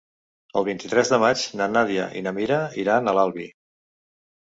El vint-i-tres de maig na Nàdia i na Mira iran a l'Albi.